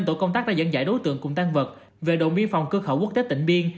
tổ công tác đã dẫn dạy đối tượng cùng tăng vật về độ miên phòng cơ khẩu quốc tế tỉnh biên